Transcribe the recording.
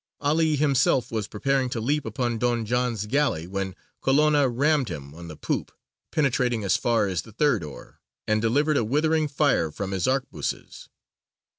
'Ali himself was preparing to leap upon Don John's galley when Colonna rammed him on the poop, penetrating as far as the third oar, and delivered a withering fire from his arquebuses.